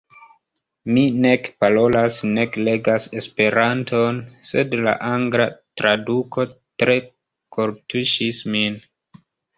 Mi nek parolas nek legas Esperanton, sed la angla traduko tre kortuŝis min.